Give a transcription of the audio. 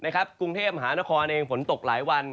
กรุงเทพมหานครเองฝนตกหลายวัน